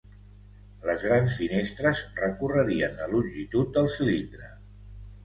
Les grans finestres recorrerien la longitud del cilindre.